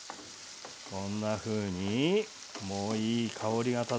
こんなふうにもういい香りが漂ってます。